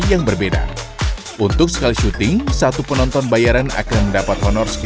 yang berbeda untuk sekali syuting satu penonton bayaran akan mendapat honor segi